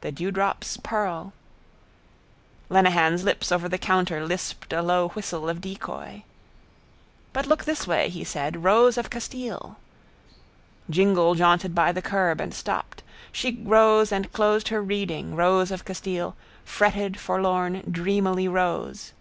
—The dewdrops pearl... Lenehan's lips over the counter lisped a low whistle of decoy. —But look this way, he said, rose of Castile. Jingle jaunted by the curb and stopped. She rose and closed her reading, rose of Castile: fretted, forlorn, dreamily rose.